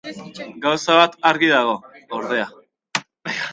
Gauza bat argi dago, ordea.